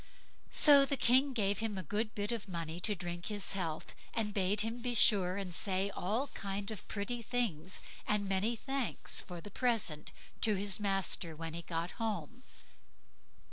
So the King gave him a good bit of money to drink his health, and bade him be sure and say all kind of pretty things, and many thanks for the present to his master when he got home.